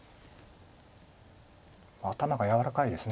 頭が柔らかいです。